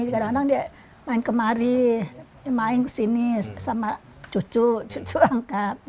kadang kadang dia main kemari main kesini sama cucu cucu angkat